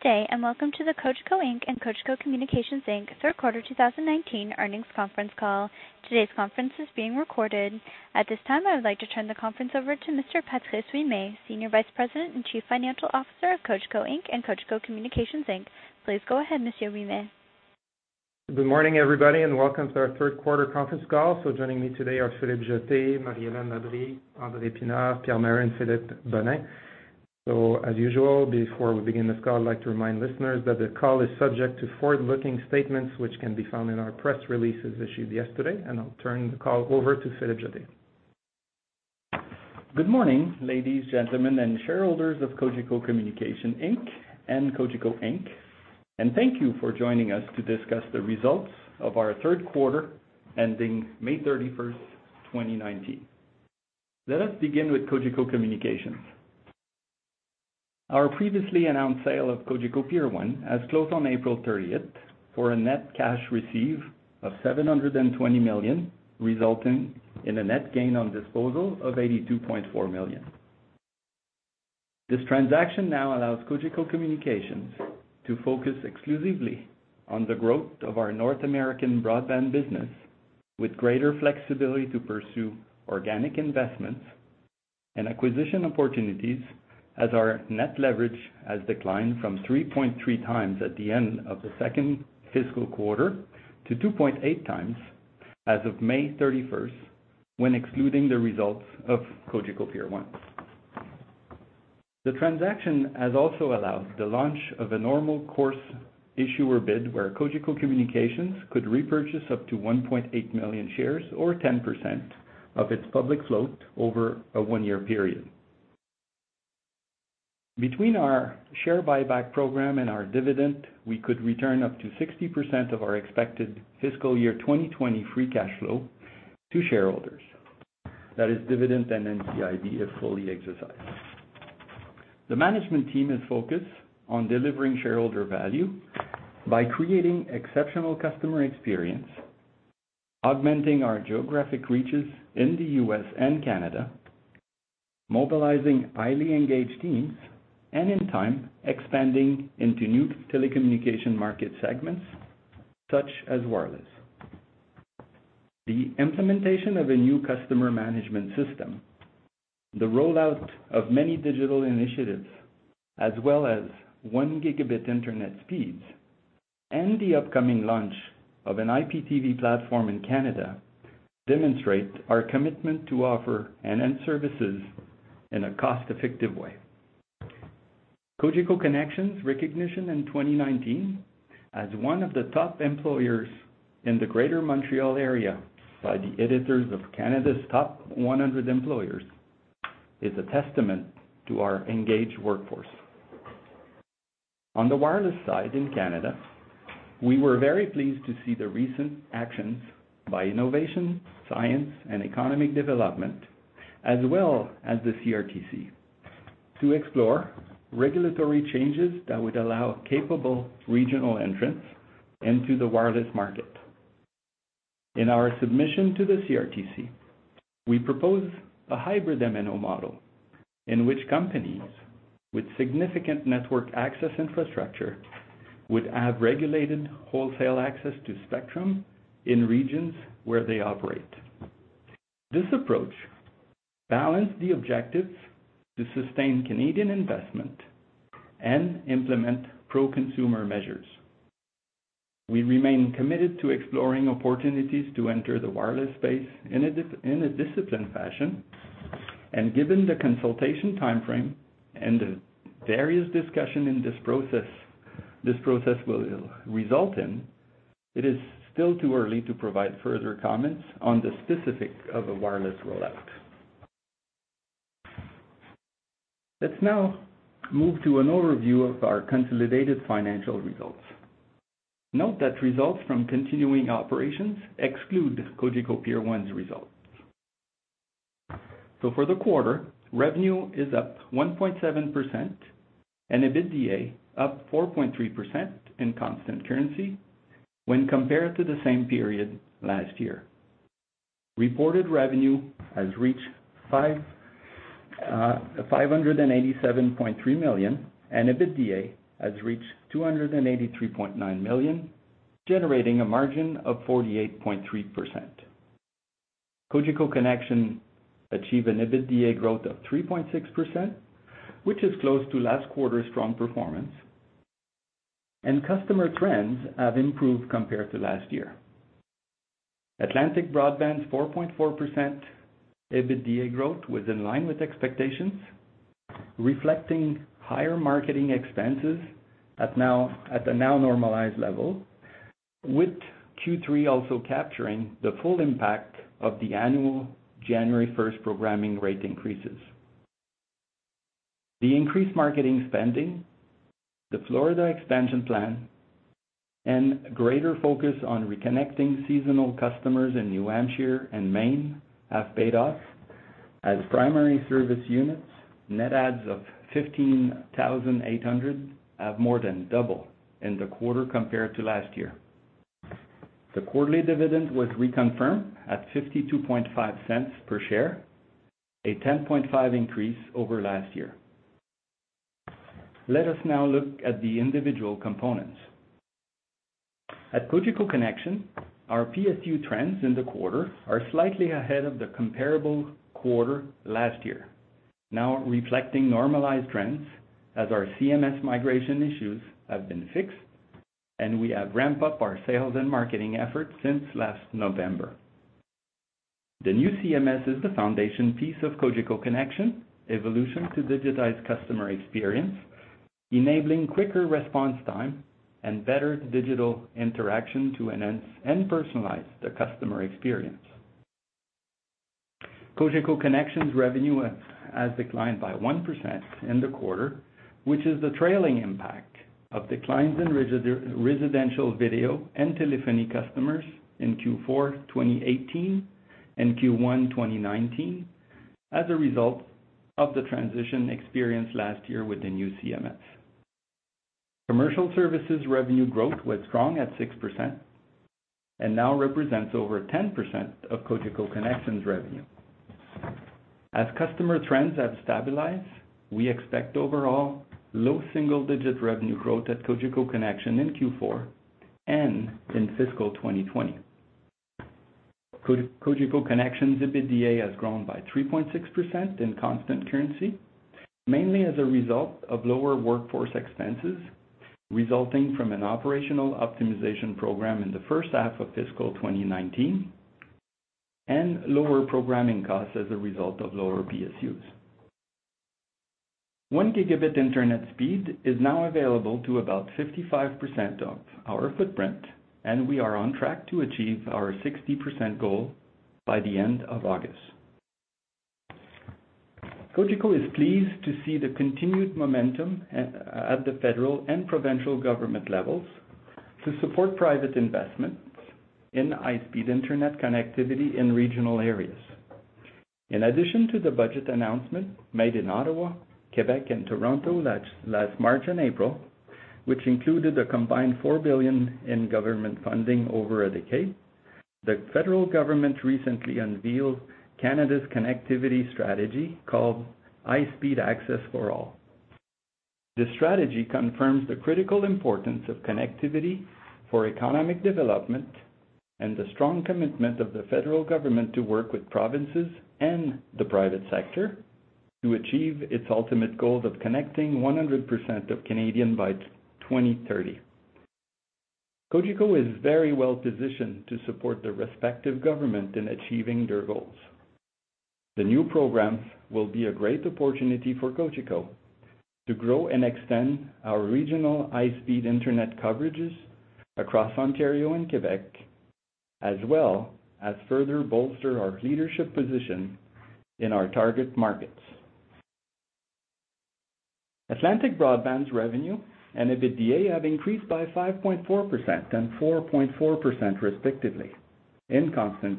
Good day, welcome to the Cogeco Inc. and Cogeco Communications Inc. third quarter 2019 earnings conference call. Today's conference is being recorded. At this time, I would like to turn the conference over to Mr. Patrice Ouimet, Senior Vice President and Chief Financial Officer of Cogeco Inc. and Cogeco Communications Inc. Please go ahead, Mr. Ouimet. Good morning, everybody, welcome to our third-quarter conference call. Joining me today are Philippe Jetté, Marie-Hélène Labrie. As usual, before we begin this call, I'd like to remind listeners that the call is subject to forward-looking statements, which can be found in our press releases issued yesterday, I'll turn the call over to Philippe Jetté. Good morning, ladies, gentlemen, shareholders of Cogeco Communications Inc. and Cogeco Inc., thank you for joining us to discuss the results of our third quarter, ending May 31st, 2019. Let us begin with Cogeco Communications. Our previously announced sale of Cogeco Peer 1 has closed on April 30th, for a net cash receive of $720 million, resulting in a net gain on disposal of $82.4 million. This transaction now allows Cogeco Communications to focus exclusively on the growth of our North American broadband business with greater flexibility to pursue organic investments and acquisition opportunities as our net leverage has declined from 3.3x at the end of the second fiscal quarter to 2.8x as of May 31st, when excluding the results of Cogeco Peer 1. The transaction has also allowed the launch of a normal course issuer bid where Cogeco Communications could repurchase up to 1.8 million shares or 10% of its public float over a one-year period. Between our share buyback program and our dividend, we could return up to 60% of our expected FY 2020 free cash flow to shareholders. That is dividend and NCIB if fully exercised. The management team is focused on delivering shareholder value by creating exceptional customer experience, augmenting our geographic reaches in the U.S. and Canada, mobilizing highly engaged teams, in time, expanding into new telecommunication market segments such as wireless. The implementation of a new customer management system, the rollout of many digital initiatives, as well as one gigabit internet speeds, the upcoming launch of an IPTV platform in Canada demonstrate our commitment to offer end-to-end services in a cost-effective way. Cogeco Connexion recognition in 2019 as one of the top employers in the Greater Montreal area by the editors of Canada's Top 100 Employers is a testament to our engaged workforce. On the wireless side in Canada, we were very pleased to see the recent actions by Innovation, Science and Economic Development, as well as the CRTC, to explore regulatory changes that would allow capable regional entrants into the wireless market. In our submission to the CRTC, we propose a hybrid MNO model in which companies with significant network access infrastructure would have regulated wholesale access to spectrum in regions where they operate. This approach balanced the objectives to sustain Canadian investment and implement pro-consumer measures. We remain committed to exploring opportunities to enter the wireless space in a disciplined fashion. Given the consultation timeframe and the various discussion this process will result in, it is still too early to provide further comments on the specific of a wireless rollout. Let's now move to an overview of our consolidated financial results. Note that results from continuing operations exclude Cogeco Peer 1's results. For the quarter, revenue is up 1.7%, and EBITDA up 4.3% in constant currency when compared to the same period last year. Reported revenue has reached $587.3 million, and EBITDA has reached $283.9 million, generating a margin of 48.3%. Cogeco Connexion achieved an EBITDA growth of 3.6%, which is close to last quarter's strong performance. Customer trends have improved compared to last year. Atlantic Broadband's 4.4% EBITDA growth was in line with expectations, reflecting higher marketing expenses at the now normalized level, with Q3 also capturing the full impact of the annual January 1st programming rate increases. The increased marketing spending, the Florida expansion plan, and greater focus on reconnecting seasonal customers in New Hampshire and Maine have paid off as primary service units net adds of 15,800 have more than double in the quarter compared to last year. The quarterly dividend was reconfirmed at $0.525 per share, a 10.5% increase over last year. Let us now look at the individual components. At Cogeco Connexion, our PSU trends in the quarter are slightly ahead of the comparable quarter last year, now reflecting normalized trends as our CMS migration issues have been fixed. We have ramped up our sales and marketing efforts since last November. The new CMS is the foundation piece of Cogeco Connexion evolution to digitize customer experience, enabling quicker response time and better digital interaction to enhance and personalize the customer experience. Cogeco Connexion's revenue has declined by 1% in the quarter, which is the trailing impact of declines in residential video and telephony customers in Q4 2018 and Q1 2019 as a result of the transition experience last year with the new CMS. Commercial services revenue growth was strong at 6% and now represents over 10% of Cogeco Connexion's revenue. Customer trends have stabilized, we expect overall low single-digit revenue growth at Cogeco Connexion in Q4 and in fiscal 2020. Cogeco Connexion's EBITDA has grown by 3.6% in constant currency, mainly as a result of lower workforce expenses resulting from an operational optimization program in the first half of fiscal 2019 and lower programming costs as a result of lower PSUs. 1-Gb internet speed is now available to about 55% of our footprint, and we are on track to achieve our 60% goal by the end of August. Cogeco is pleased to see the continued momentum at the federal and provincial government levels to support private investments in high-speed internet connectivity in regional areas. In addition to the budget announcement made in Ottawa, Québec, and Toronto last March and April, which included a combined $4 billion in government funding over a decade, the federal government recently unveiled Canada's connectivity strategy called High-Speed Access for All. The strategy confirms the critical importance of connectivity for economic development and the strong commitment of the federal government to work with provinces and the private sector to achieve its ultimate goal of connecting 100% of Canadians by 2030. Cogeco is very well-positioned to support the respective government in achieving their goals. The new programs will be a great opportunity for Cogeco to grow and extend our regional high-speed internet coverages across Ontario and Québec, as well as further bolster our leadership position in our target markets. Atlantic Broadband's revenue and EBITDA have increased by 5.4% and 4.4%, respectively in constant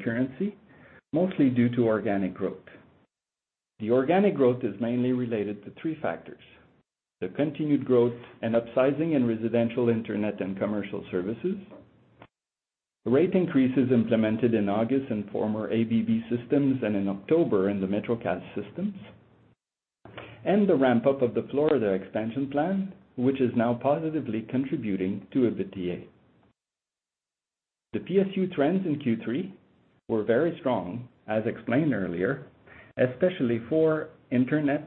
currency, mostly due to organic growth. The organic growth is mainly related to three factors: the continued growth and upsizing in residential internet and commercial services, the rate increases implemented in August in former ABB systems and in October in the MetroCast systems, and the ramp-up of the Florida expansion plan, which is now positively contributing to EBITDA. The PSU trends in Q3 were very strong, as explained earlier, especially for internet,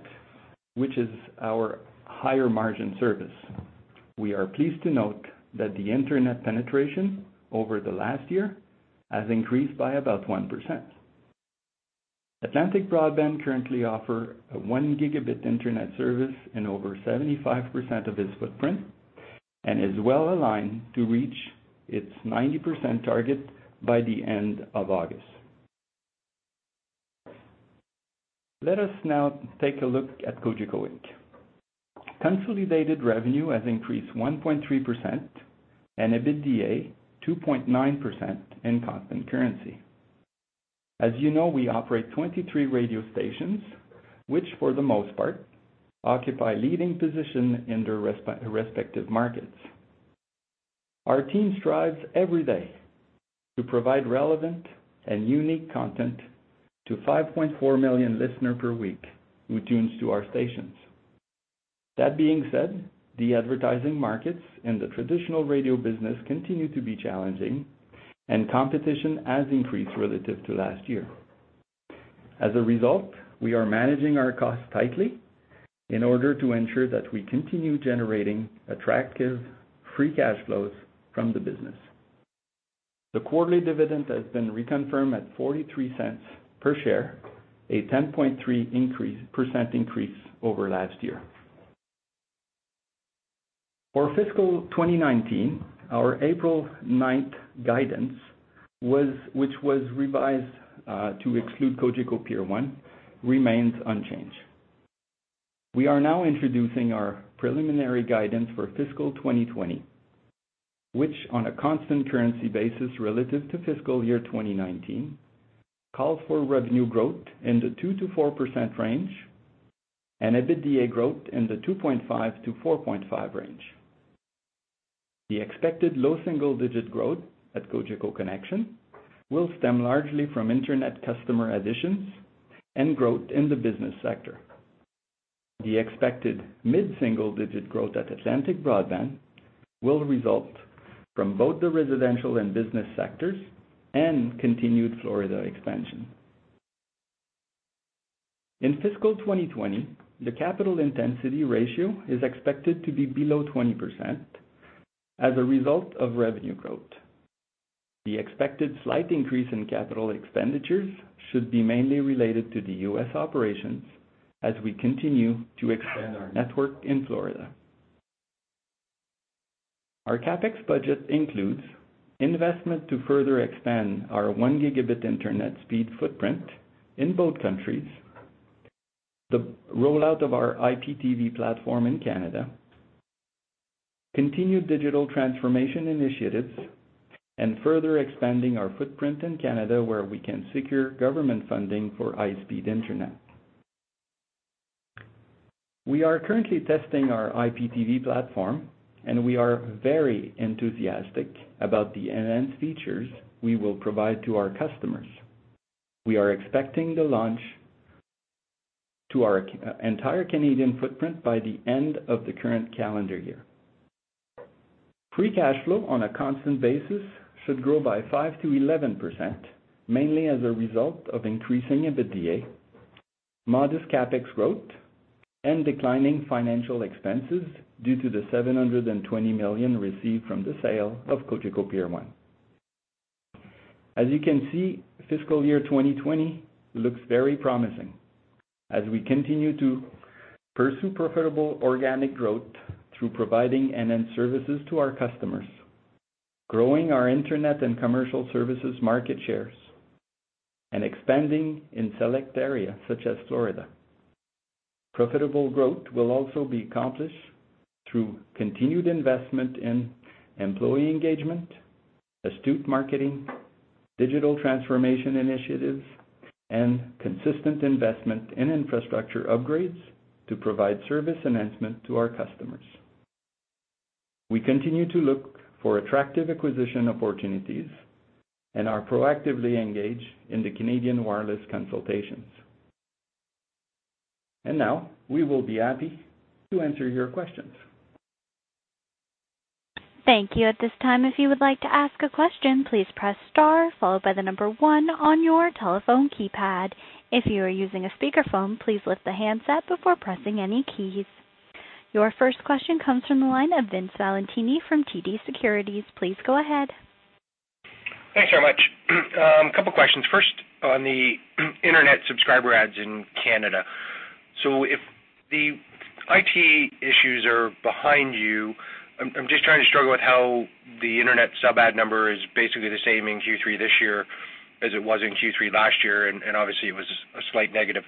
which is our higher-margin service. We are pleased to note that the internet penetration over the last year has increased by about 1%. Atlantic Broadband currently offer a 1-Gb internet service in over 75% of its footprint and is well aligned to reach its 90% target by the end of August. Let us now take a look at Cogeco Inc. Consolidated revenue has increased 1.3% and EBITDA 2.9% in constant currency. As you know, we operate 23 radio stations which, for the most part, occupy a leading position in their respective markets. Our team strives every day to provide relevant and unique content to 5.4 million listeners per week who tune to our stations. That being said, the advertising markets in the traditional radio business continue to be challenging, and competition has increased relative to last year. As a result, we are managing our costs tightly in order to ensure that we continue generating attractive free cash flows from the business. The quarterly dividend has been reconfirmed at $0.43 per share, a 10.3% increase over last year. For fiscal 2019, our April 9th guidance, which was revised to exclude Cogeco Peer 1, remains unchanged. We are now introducing our preliminary guidance for fiscal 2020, which, on a constant currency basis relative to fiscal year 2019, calls for revenue growth in the 2%-4% range. EBITDA growth in the 2.5%-4.5% range. The expected low single-digit growth at Cogeco Connexion will stem largely from internet customer additions and growth in the business sector. The expected mid single-digit growth at Atlantic Broadband will result from both the residential and business sectors and continued Florida expansion. In fiscal 2020, the capital intensity ratio is expected to be below 20% as a result of revenue growth. The expected slight increase in capital expenditures should be mainly related to the U.S. operations as we continue to expand our network in Florida. Our CapEx budget includes investment to further expand our 1 Gb internet speed footprint in both countries, the rollout of our IPTV platform in Canada, continued digital transformation initiatives, and further expanding our footprint in Canada where we can secure government funding for high-speed internet. We are currently testing our IPTV platform. We are very enthusiastic about the enhanced features we will provide to our customers. We are expecting to launch to our entire Canadian footprint by the end of the current calendar year. Free cash flow on a constant basis should grow by 5%-11%, mainly as a result of increasing EBITDA, modest CapEx growth, and declining financial expenses due to the $720 million received from the sale of Cogeco Peer 1. As you can see, fiscal year 2020 looks very promising as we continue to pursue profitable organic growth through providing enhanced services to our customers, growing our internet and commercial services market shares, and expanding in select areas such as Florida. Profitable growth will also be accomplished through continued investment in employee engagement, astute marketing, digital transformation initiatives, and consistent investment in infrastructure upgrades to provide service enhancement to our customers. We continue to look for attractive acquisition opportunities and are proactively engaged in the Canadian wireless consultations. Now, we will be happy to answer your questions. Thank you. At this time, if you would like to ask a question, please press star followed by the number one on your telephone keypad. If you are using a speakerphone, please lift the handset before pressing any keys. Your first question comes from the line of Vince Valentini from TD Securities. Please go ahead. Thanks very much. Couple questions. First, on the internet subscriber adds in Canada. If the IT issues are behind you, I'm just trying to struggle with how the internet sub-add number is basically the same in Q3 this year as it was in Q3 last year, and obviously it was a slight negative.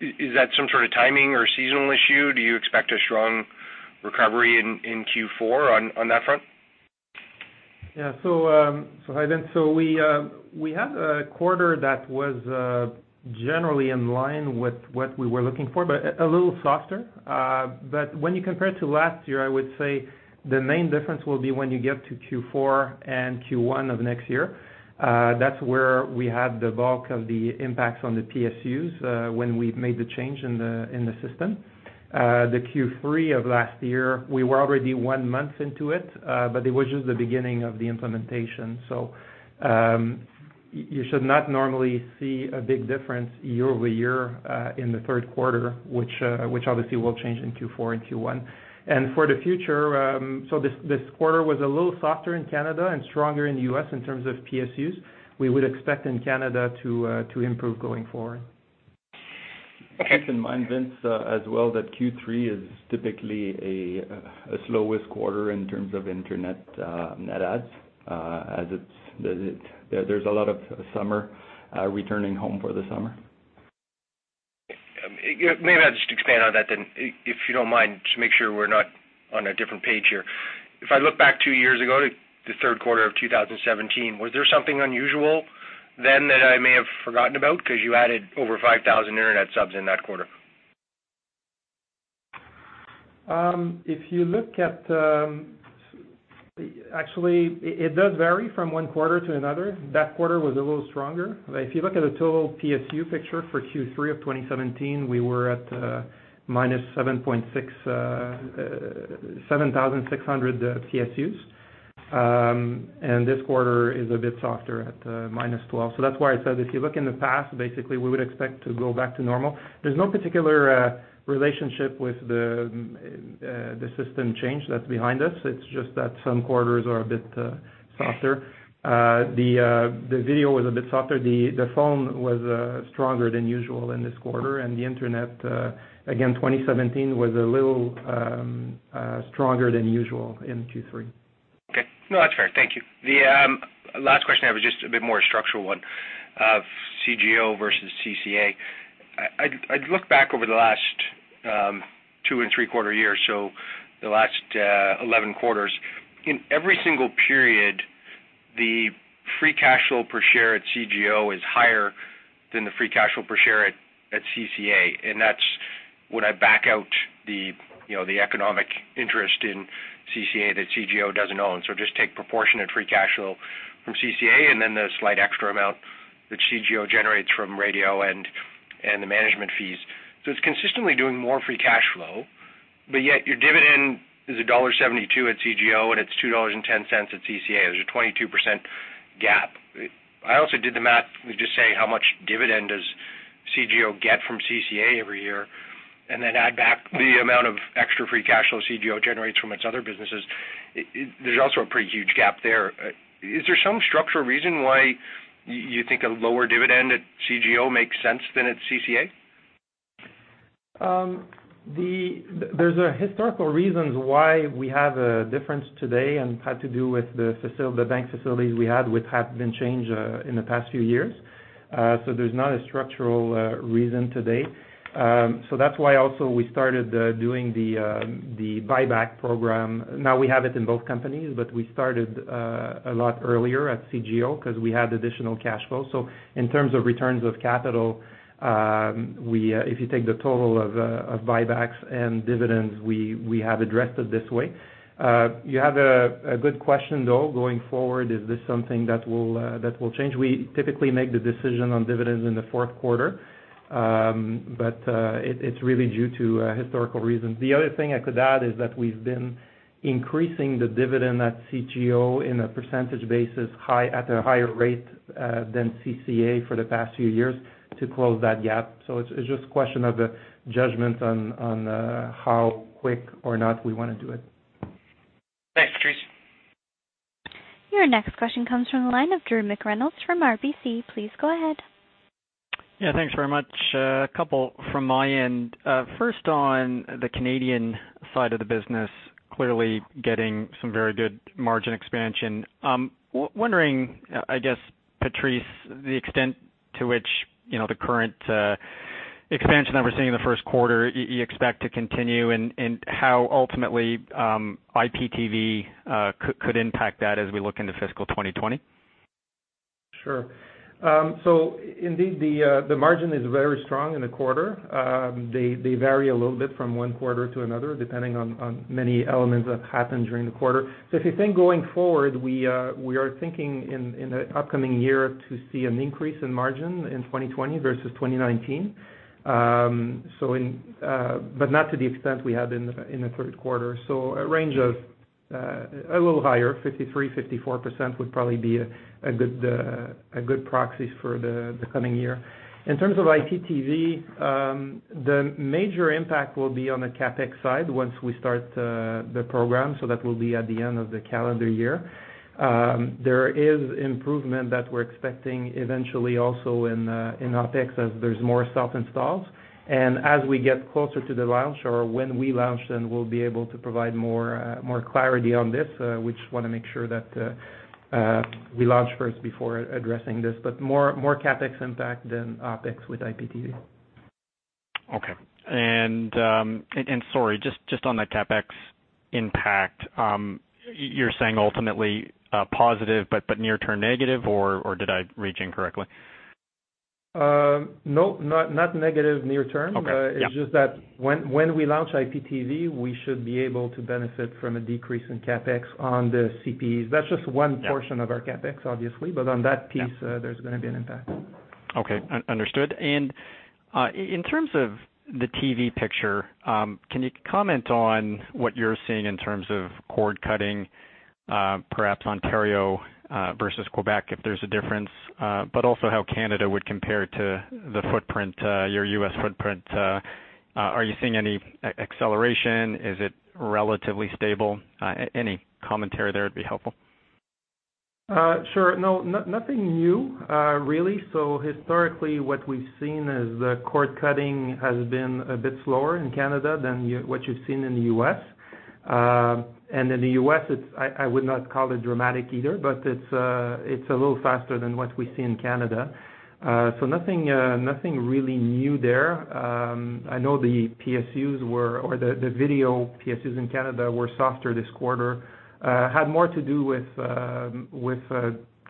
Is that some sort of timing or seasonal issue? Do you expect a strong recovery in Q4 on that front? Yeah. Hi, Vince. We had a quarter that was generally in line with what we were looking for, but a little softer. When you compare to last year, I would say the main difference will be when you get to Q4 and Q1 of next year. That's where we had the bulk of the impacts on the PSUs, when we made the change in the system. The Q3 of last year, we were already one month into it, but it was just the beginning of the implementation. You should not normally see a big difference year-over-year in the third quarter, which obviously will change in Q4 and Q1. For the future, this quarter was a little softer in Canada and stronger in the U.S. in terms of PSUs. We would expect in Canada to improve going forward. Keep in mind, Vince, as well, that Q3 is typically a slowest quarter in terms of internet net adds, as there's a lot of summer, returning home for the summer. Maybe I'll just expand on that then, if you don't mind, just make sure we're not on a different page here. If I look back two years ago to the third quarter of 2017, was there something unusual then that I may have forgotten about? You added over 5,000 internet subs in that quarter. Actually, it does vary from one quarter to another. That quarter was a little stronger. If you look at the total PSU picture for Q3 of 2017, we were at -7,600 PSUs. This quarter is a bit softer at -12. That's why I said if you look in the past, basically, we would expect to go back to normal. There's no particular relationship with the system change that's behind us. It's just that some quarters are a bit softer. The video was a bit softer. The phone was stronger than usual in this quarter. The internet, again, 2017 was a little stronger than usual in Q3. Okay. No, that's fair. Thank you. The last question I have is just a bit more a structural one of CGO versus CCA. I'd look back over the last two-quarter and three-quarter years, so the last 11 quarters. In every single period, the free cash flow per share at CGO is higher than the free cash flow per share at CCA, and that's when I back out the economic interest in CCA that CGO doesn't own. Just take proportionate free cash flow from CCA and then the slight extra amount that CGO generates from radio and the management fees. It's consistently doing more free cash flow, but yet your dividend is $1.72 at CGO and it's $2.10 at CCA. There's a 22% gap. I also did the math just saying how much dividend does CGO get from CCA every year, and then add back the amount of extra free cash flow CGO generates from its other businesses. There's also a pretty huge gap there. Is there some structural reason why you think a lower dividend at CGO makes sense than at CCA? There's historical reasons why we have a difference today and had to do with the bank facilities we had, which have been changed in the past few years. There's not a structural reason today. That's why also we started doing the buyback program. Now we have it in both companies, but we started a lot earlier at CGO because we had additional cash flow. In terms of returns of capital, if you take the total of buybacks and dividends, we have addressed it this way. You have a good question, though. Going forward, is this something that will change? We typically make the decision on dividends in the fourth quarter, but it's really due to historical reasons. The other thing I could add is that we've been increasing the dividend at CGO in a percentage basis at a higher rate than CCA for the past few years to close that gap. It's just a question of judgment on how quick or not we want to do it. Thanks, Patrice. Your next question comes from the line of Drew McReynolds from RBC. Please go ahead. Thanks very much. A couple from my end. First, on the Canadian side of the business, clearly getting some very good margin expansion. I'm wondering, Patrice, the extent to which the current expansion that we're seeing in the first quarter, you expect to continue, and how ultimately IPTV could impact that as we look into fiscal 2020? Sure. Indeed, the margin is very strong in the quarter. They vary a little bit from one quarter to another, depending on many elements that happened during the quarter. If you think going forward, we are thinking in the upcoming year to see an increase in margin in 2020 versus 2019. Not to the extent we have in the third quarter. A range of a little higher, 53%-54% would probably be a good proxy for the coming year. In terms of IPTV, the major impact will be on the CapEx side once we start the program, that will be at the end of the calendar year. There is improvement that we're expecting eventually also in OpEx as there's more self-installs. As we get closer to the launch or when we launch, then we'll be able to provide more clarity on this. We just want to make sure that we launch first before addressing this. More CapEx impact than OpEx with IPTV. Okay. Sorry, just on the CapEx impact, you're saying ultimately positive but near-term negative, or did I read you incorrectly? No, not negative near-term. Okay. Yeah. It's just that when we launch IPTV, we should be able to benefit from a decrease in CapEx on the CPEs. That's just one portion- Yeah. of our CapEx, obviously. On that piece- Yeah. there's going to be an impact. Okay, understood. In terms of the TV picture, can you comment on what you're seeing in terms of cord-cutting, perhaps Ontario versus Québec, if there's a difference, but also how Canada would compare to your U.S. footprint? Are you seeing any acceleration? Is it relatively stable? Any commentary there would be helpful. Sure. No, nothing new, really. Historically, what we've seen is that cord-cutting has been a bit slower in Canada than what you've seen in the U.S. In the U.S., I would not call it dramatic either, but it's a little faster than what we see in Canada. Nothing really new there. I know the video PSUs in Canada were softer this quarter. Had more to do with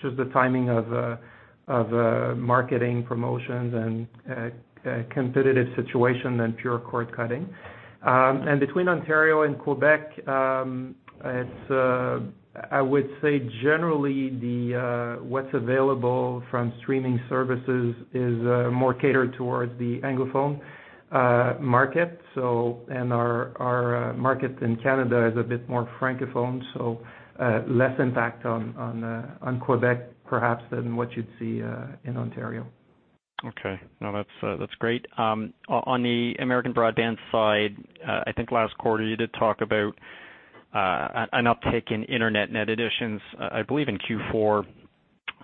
just the timing of marketing promotions and competitive situation than pure cord-cutting. Between Ontario and Québec, I would say generally, what's available from streaming services is more catered towards the Anglophone market. Our market in Canada is a bit more Francophone, so less impact on Québec, perhaps, than what you'd see in Ontario. Okay. No, that's great. On the American broadband side, I think last quarter you did talk about an uptick in internet net additions, I believe in Q4,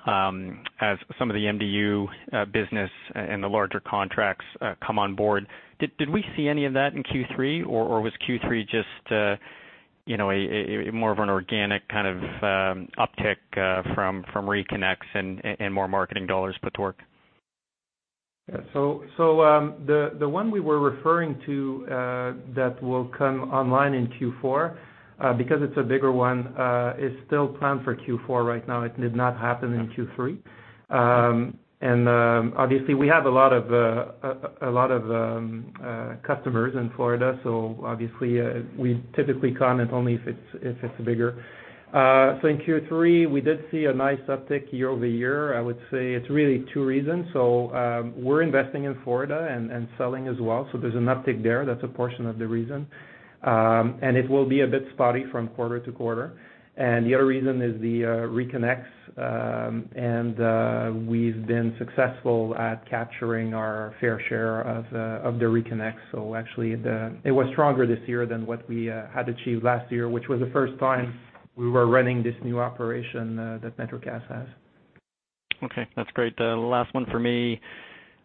as some of the MDU business and the larger contracts come on board. Did we see any of that in Q3, or was Q3 just more of an organic kind of uptick from reconnects and more marketing dollars put to work? Yeah. The one we were referring to that will come online in Q4, because it's a bigger one, is still planned for Q4 right now. It did not happen in Q3. Obviously, we have a lot of customers in Florida, obviously we typically comment only if it's bigger. In Q3, we did see a nice uptick year-over-year. I would say it's really two reasons. We're investing in Florida and selling as well, there's an uptick there, that's a portion of the reason. The other reason is the reconnects, and we've been successful at capturing our fair share of the reconnects. Actually, it was stronger this year than what we had achieved last year, which was the first time we were running this new operation that MetroCast has. Okay, that's great. The last one for me,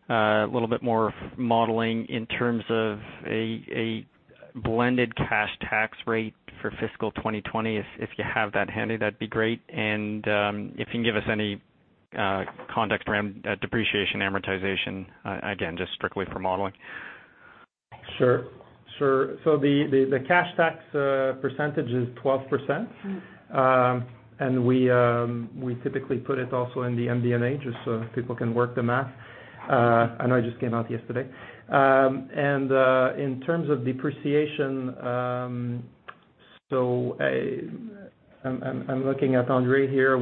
a little bit more modeling in terms of a blended cash tax rate for fiscal 2020. If you have that handy, that'd be great. If you can give us any context around depreciation amortization, again, just strictly for modeling. Sure. The cash tax percentage is 12%. We typically put it also in the MD&A, just so people can work the math. I know it just came out yesterday. In terms of depreciation, I'm looking at Andrée here.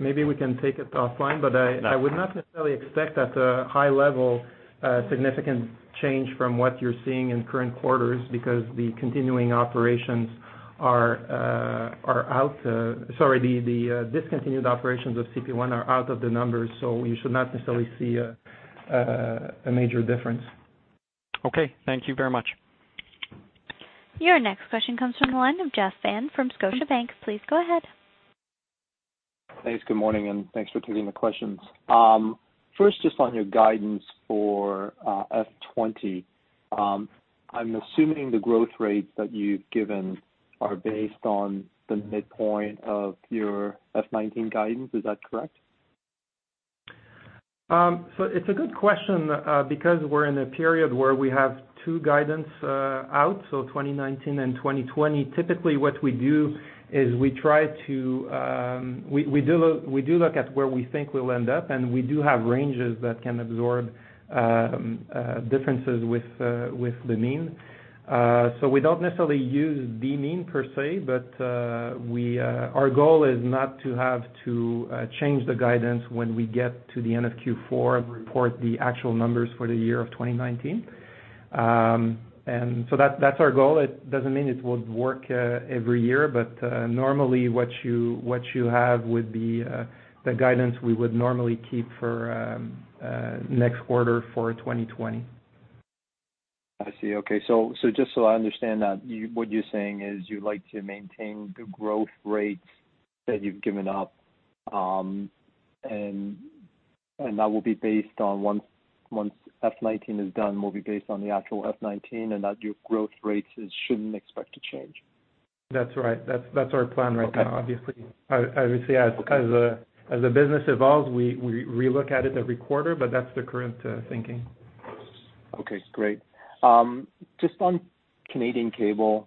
Maybe we can take it offline, but I would not necessarily expect, at a high level, a significant change from what you're seeing in current quarters because the discontinued operations of CP1 are out of the numbers, so you should not necessarily see a major difference. Okay. Thank you very much. Your next question comes from the line of Jeff Fan from Scotiabank. Please go ahead. Thanks. Good morning, and thanks for taking the questions. First, just on your guidance for FY 2020. I'm assuming the growth rates that you've given are based on the midpoint of your FY 2019 guidance. Is that correct? It's a good question, because we're in a period where we have two guidance out, 2019 and 2020. Typically, what we do is we do look at where we think we'll end up, and we do have ranges that can absorb differences with the mean. We don't necessarily use the mean per se, but our goal is not to have to change the guidance when we get to the end of Q4 and report the actual numbers for the year of 2019. That's our goal. It doesn't mean it would work every year, but normally what you have would be the guidance we would normally keep for next quarter for 2020. I see. Okay. Just so I understand that, what you're saying is you'd like to maintain the growth rates that you've given out, and that will be based on once FY 2019 is done, will be based on the actual FY 2019, and that your growth rates shouldn't expect to change? That's right. That's our plan right now. Okay. Obviously, as the business evolves, we relook at it every quarter, but that's the current thinking. Okay, great. Just on Canadian cable,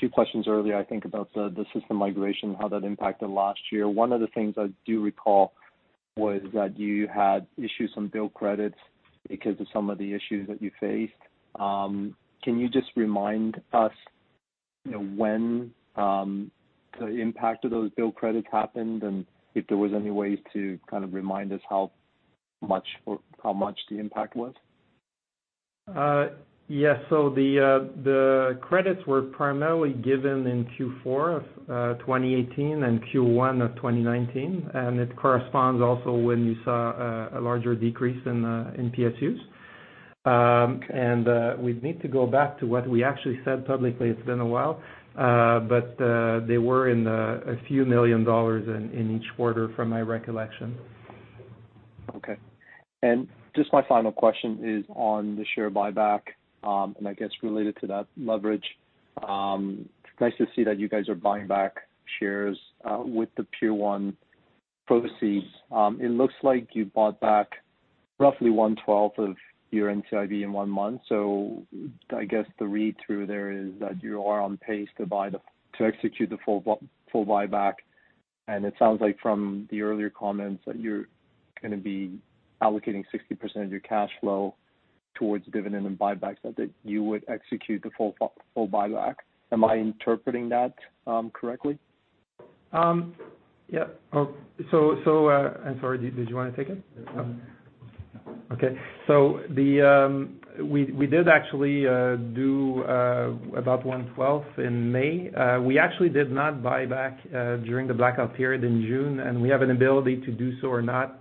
two questions earlier, I think about the system migration, how that impacted last year. One of the things I do recall was that you had issues on bill credits because of some of the issues that you faced. Can you just remind us when the impact of those bill credits happened, and if there was any way to remind us how much the impact was? Yeah. The credits were primarily given in Q4 of 2018 and Q1 of 2019. It corresponds also when you saw a larger decrease in PSUs. We'd need to go back to what we actually said publicly. It's been a while. They were in a few million dollars in each quarter from my recollection. Okay. Just my final question is on the share buyback, I guess related to that, leverage. Nice to see that you guys are buying back shares with the Peer 1 proceeds. It looks like you bought back roughly 1/12 of your NCIB in one month. I guess the read through there is that you are on pace to execute the full buyback. It sounds like from the earlier comments that you're going to be allocating 60% of your cash flow towards dividend and buybacks, that you would execute the full buyback. Am I interpreting that correctly? Yeah. Oh, I'm sorry, did you want to take it? No. Okay. We did actually do about 1/12 in May. We actually did not buy back during the blackout period in June, and we have an ability to do so or not.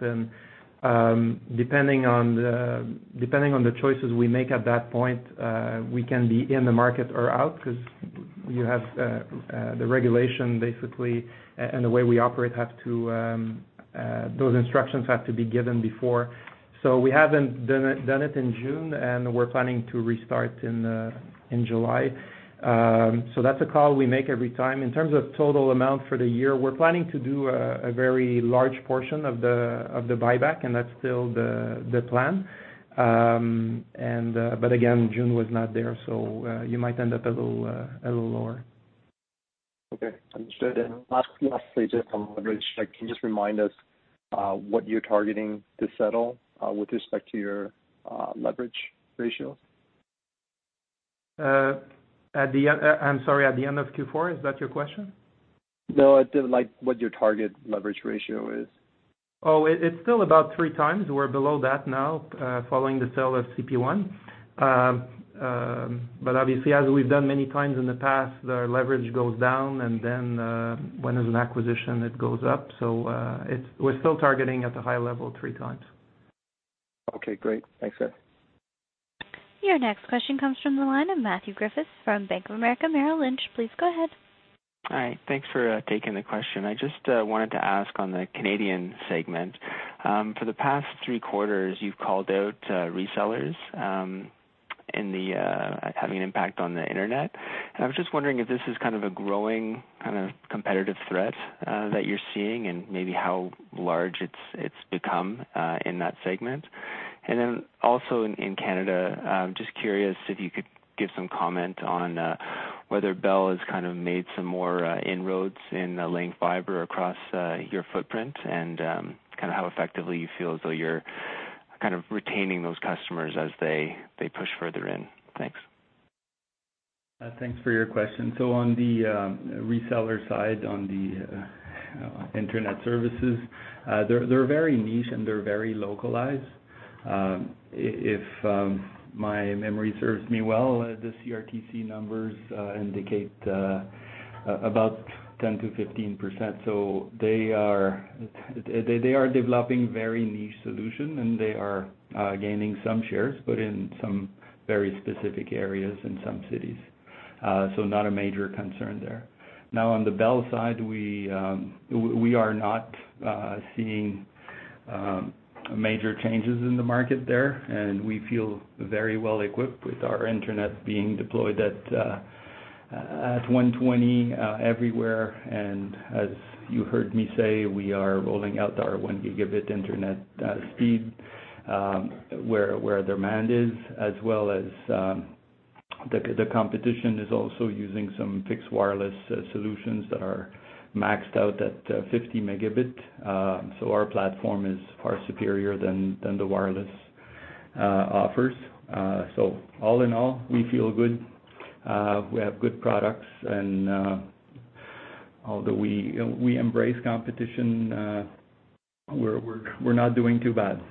Depending on the choices we make at that point, we can be in the market or out, because you have the regulation, basically, and the way we operate, those instructions have to be given before, so we haven't done it in June, and we're planning to restart in July. That's a call we make every time. In terms of total amount for the year, we're planning to do a very large portion of the buyback, and that's still the plan. Again, June was not there, you might end up a little lower. Okay, understood. Last stage on leverage, can you just remind us what you're targeting to settle with respect to your leverage ratio? I'm sorry, at the end of Q4, is that your question? No, like what your target leverage ratio is? It's still about 3x. We're below that now, following the sale of CP1. Obviously, as we've done many times in the past, the leverage goes down and then when there's an acquisition, it goes up. We're still targeting at the high level 3x. Okay, great. Thanks, sir. Your next question comes from the line of Matthew Griffiths from Bank of America Merrill Lynch. Please go ahead. Hi. Thanks for taking the question. I just wanted to ask on the Canadian segment. For the past three quarters, you've called out resellers having an impact on the internet. I was just wondering if this is a growing competitive threat that you're seeing, and maybe how large it's become in that segment. Then also in Canada, just curious if you could give some comment on whether Bell has made some more inroads in laying fiber across your footprint and how effectively you feel as though you're retaining those customers as they push further in. Thanks. Thanks for your question. On the reseller side, on the internet services, they're very niche and they're very localized. If my memory serves me well, the CRTC numbers indicate about 10%-15%. They are developing very niche solution, they are gaining some shares, but in some very specific areas in some cities. Not a major concern there. Now, on the Bell side, we are not seeing major changes in the market there, we feel very well equipped with our internet being deployed at 120 everywhere. As you heard me say, we are rolling out our 1 Gb internet speed where the demand is, as well as the competition is also using some fixed wireless solutions that are maxed out at 50 MB. Our platform is far superior than the wireless offers. All in all, we feel good. We have good products although we embrace competition, we're not doing too bad.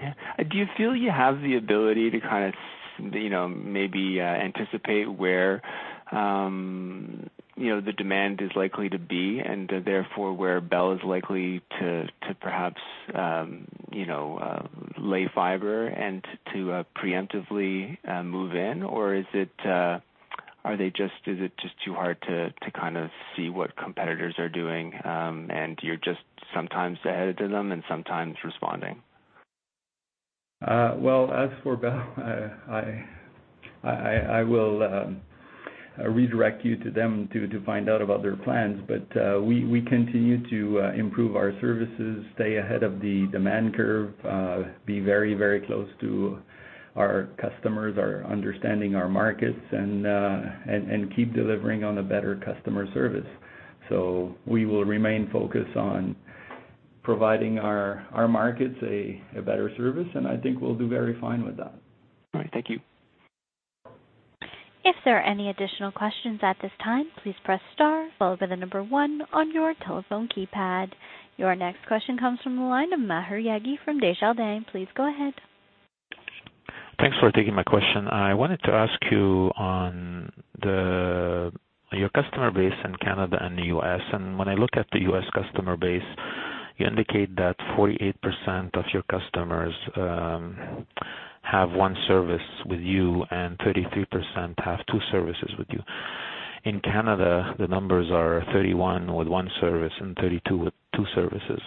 Yeah. Do you feel you have the ability to maybe anticipate where the demand is likely to be and therefore where Bell is likely to perhaps lay fiber and to preemptively move in? Or is it just too hard to see what competitors are doing, and you're just sometimes ahead of them and sometimes responding? Well, as for Bell, I will redirect you to them to find out about their plans. We continue to improve our services, stay ahead of the demand curve, be very, very close to our customers, are understanding our markets, and keep delivering on the better customer service. We will remain focused on providing our markets a better service, and I think we'll do very fine with that. All right. Thank you. If there are any additional questions at this time, please press star followed by the number one on your telephone keypad. Your next question comes from the line of Maher Yaghi from Desjardins. Please go ahead. Thanks for taking my question. I wanted to ask you on your customer base in Canada and the U.S. When I look at the U.S. customer base, you indicate that 48% of your customers have one service with you and 33% have two services with you. In Canada, the numbers are 31 with one service and 32 with two services.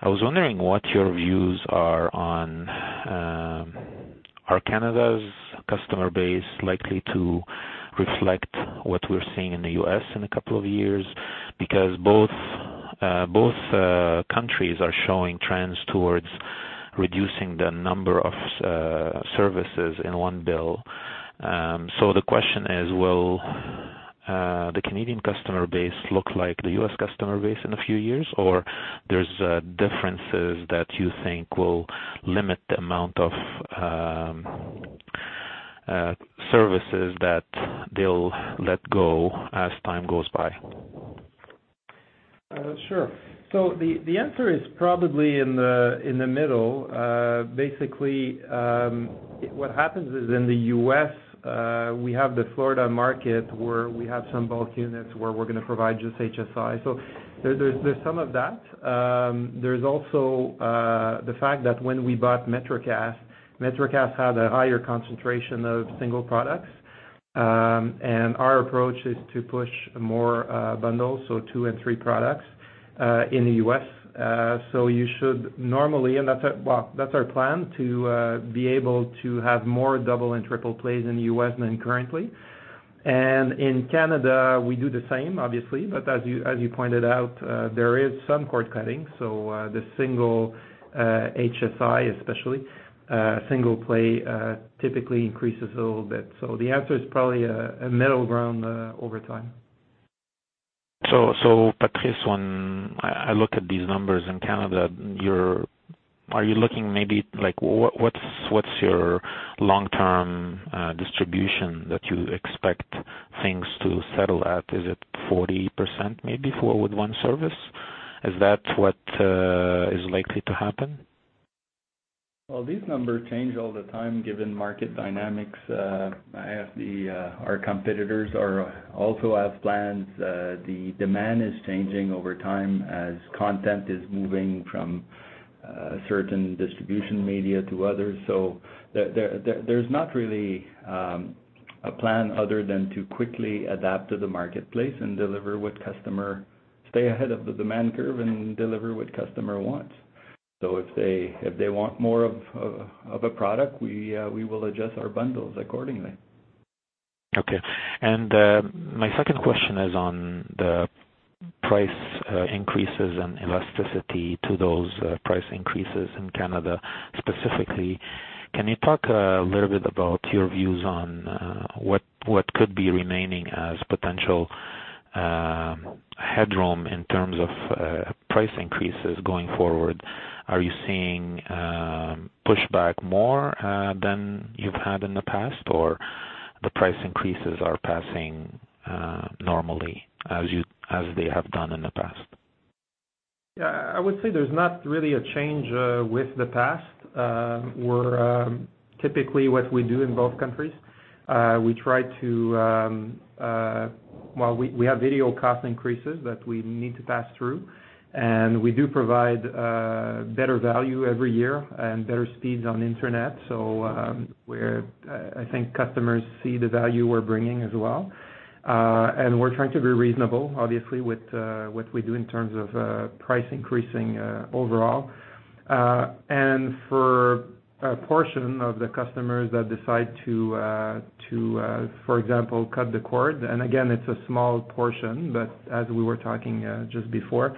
I was wondering what your views are on, are Canada's customer base likely to reflect what we're seeing in the U.S. in a couple of years? Both countries are showing trends towards reducing the number of services in one bill. The question is, will the Canadian customer base look like the U.S. customer base in a few years? There's differences that you think will limit the amount of services that they'll let go as time goes by? Sure. The answer is probably in the middle. Basically, what happens is in the U.S., we have the Florida market where we have some bulk units where we're going to provide just HSI. There's some of that. There's also the fact that when we bought MetroCast had a higher concentration of single products. Our approach is to push more bundles, so two and three products in the U.S. You should normally That's our plan, to be able to have more double and triple plays in the U.S. than currently. In Canada, we do the same, obviously. As you pointed out, there is some cord-cutting. The single HSI, especially. Single play, typically increases a little bit. The answer is probably a middle ground over time. Patrice, when I look at these numbers in Canada, are you looking maybe at what's your long-term distribution that you expect things to settle at? Is it 40%, maybe, four-with-one service? Is that what is likely to happen? Well, these numbers change all the time, given market dynamics. Our competitors also have plans. The demand is changing over time as content is moving from certain distribution media to others. There's not really a plan other than to quickly adapt to the marketplace and stay ahead of the demand curve and deliver what customer wants. If they want more of a product, we will adjust our bundles accordingly. Okay. My second question is on the price increases and elasticity to those price increases in Canada specifically. Can you talk a little bit about your views on what could be remaining as potential headroom in terms of price increases going forward? Are you seeing pushback more than you've had in the past? The price increases are passing normally, as they have done in the past? Yeah, I would say there's not really a change with the past. Typically what we do in both countries, we have video cost increases that we need to pass through, and we do provide better value every year and better speeds on internet. I think customers see the value we're bringing as well. We're trying to be reasonable, obviously, with what we do in terms of price increasing overall. For a portion of the customers that decide to, for example, cut the cord. Again, it's a small portion, but as we were talking just before,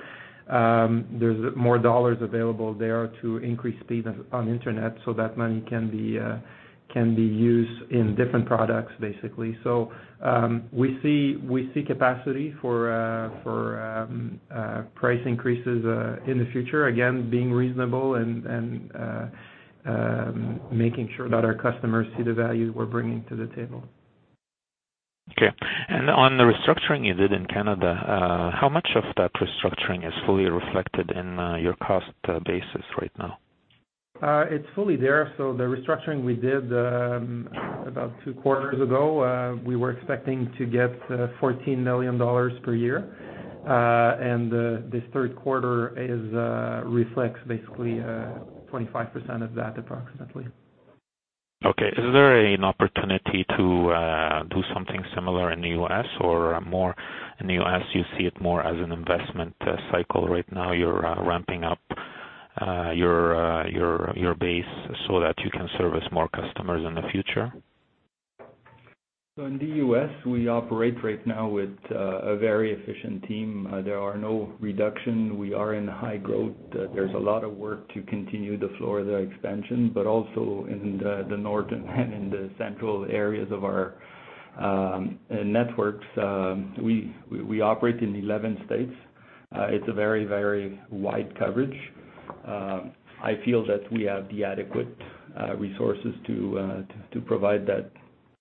there's more dollars available there to increase speed on internet, so that money can be used in different products, basically. We see capacity for price increases in the future. Again, being reasonable and making sure that our customers see the value we're bringing to the table. Okay. On the restructuring you did in Canada, how much of that restructuring is fully reflected in your cost basis right now? It's fully there. The restructuring we did about two quarters ago, we were expecting to get $14 million per year. This third quarter reflects basically 25% of that, approximately. Okay. Is there an opportunity to do something similar in the U.S. or more in the U.S., you see it more as an investment cycle right now, you're ramping up your base so that you can service more customers in the future? In the U.S., we operate right now with a very efficient team. There are no reduction. We are in high growth. There's a lot of work to continue the Florida expansion, but also in the northern and in the central areas of our networks. We operate in 11 states. It's a very wide coverage. I feel that we have the adequate resources to provide that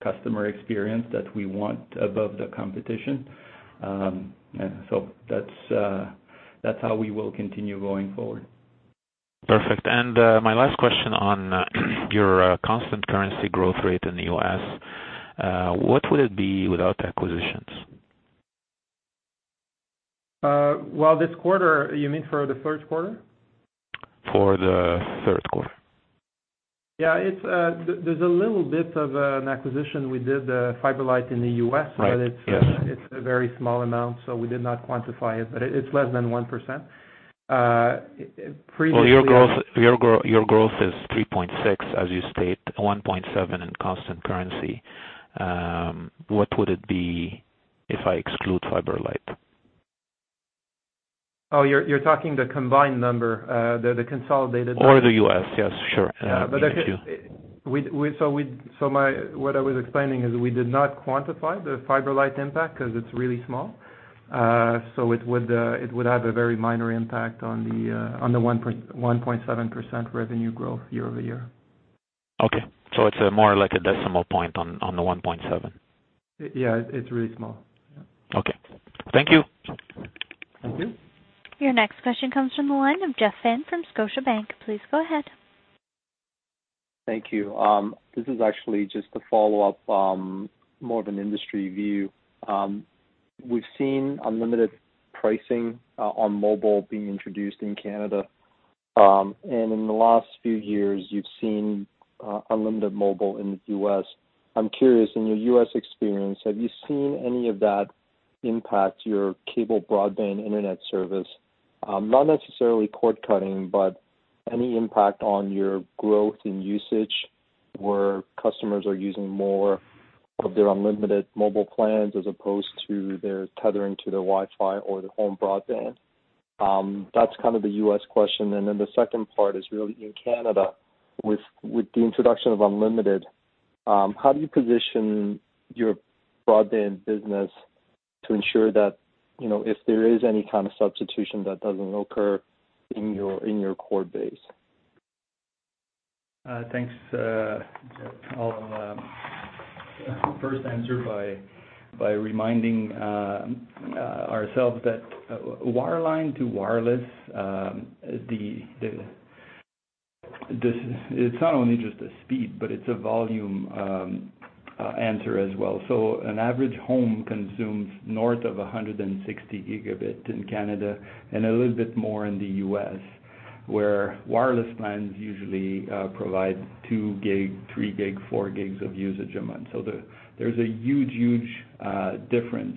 customer experience that we want above the competition. That's how we will continue going forward. Perfect. My last question on your constant currency growth rate in the U.S., what would it be without acquisitions? This quarter, you mean for the third quarter? For the third quarter. Yeah. There's a little bit of an acquisition we did, FiberLight in the U.S. Right. Yes. It's a very small amount, so we did not quantify it, but it's less than 1%. Well, your growth is 3.6% as you state, 1.7% in constant currency. What would it be if I exclude FiberLight? Oh, you're talking the combined number, the consolidated? The U.S. Yes, sure. Yeah. What I was explaining is we did not quantify the FiberLight impact because it's really small. It would have a very minor impact on the 1.7% revenue growth year-over-year. Okay. It's more like a decimal point on the 1.7?% Yeah. It's really small. Yeah. Okay. Thank you. Thank you. Your next question comes from the line of Jeff Fan from Scotiabank. Please go ahead. Thank you. This is actually just a follow-up, more of an industry view. We've seen unlimited pricing on mobile being introduced in Canada. And in the last few years, you've seen unlimited mobile in the U.S. I'm curious, in your U.S. experience, have you seen any of that impact your cable broadband internet service? Not necessarily cord-cutting, but any impact on your growth in usage where customers are using more of their unlimited mobile plans as opposed to their tethering to their Wi-Fi or their home broadband? That's the U.S. question. The second part is really in Canada, with the introduction of unlimited, how do you position your broadband business to ensure that, if there is any kind of substitution, that doesn't occur in your core base? Thanks. I'll first answer by reminding ourselves that wireline to wireless, it's not only just a speed, but it's a volume answer as well. An average home consumes north of 160 Gb in Canada and a little bit more in the U.S., where wireless plans usually provide 2 Gb, 3 Gb, 4 Gb of usage a month. There's a huge difference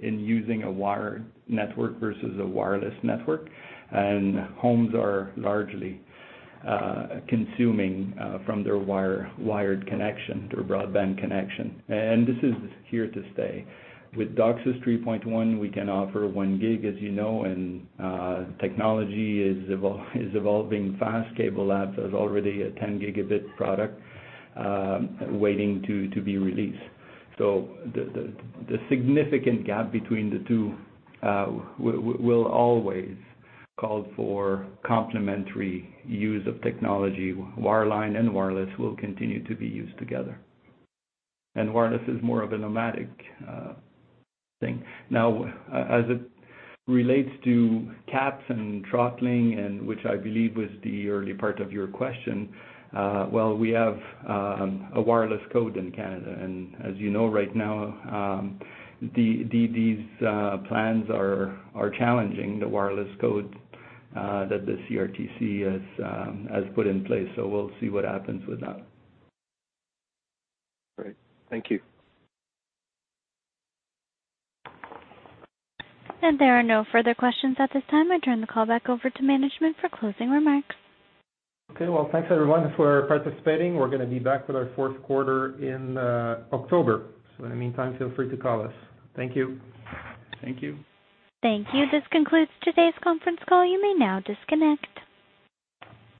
in using a wired network versus a wireless network, and homes are largely consuming from their wired connection, their broadband connection. This is here to stay. With DOCSIS 3.1, we can offer 1 Gb, as you know, technology is evolving fast. CableLabs has already a 10 Gb product waiting to be released. The significant gap between the two will always call for complementary use of technology. Wireline and wireless will continue to be used together. Wireless is more of a nomadic thing. Now, as it relates to caps and throttling, which I believe was the early part of your question, well, we have The Wireless Code in Canada. As you know, right now, these plans are challenging The Wireless Code that the CRTC has put in place. We'll see what happens with that. Great. Thank you. There are no further questions at this time. I turn the call back over to management for closing remarks. Okay. Well, thanks, everyone, for participating. We're going to be back with our fourth quarter in October. In the meantime, feel free to call us. Thank you. Thank you. Thank you. This concludes today's conference call. You may now disconnect.